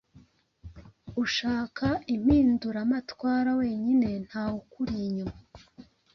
ushaka impinduramatwara wenyine ntawukuri inyuma